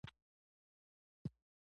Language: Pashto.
غوږونه د تندر غږ پېژني